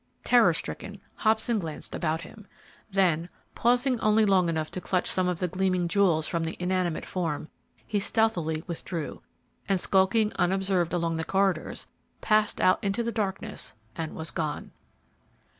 Terror stricken, Hobson glanced about him, then pausing only long enough to clutch some of the gleaming jewels from the inanimate form, he stealthily withdrew, and, skulking unobserved along the corridors, passed out into the darkness and was gone.